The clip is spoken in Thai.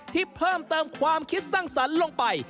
ที่เพิ่มเติมความคิดสร้างสรรค์ลงไป